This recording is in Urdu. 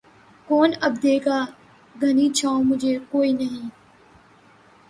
کون اب دے گا گھنی چھاؤں مُجھے، کوئی نہیں